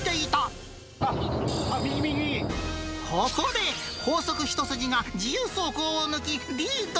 ここで、高速一筋が自由走行を抜き、リード。